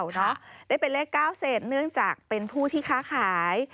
ได้เป็นเลข๙เศษเนื่องจากเป็นผู้ที่ค้าขาย